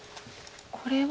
これは？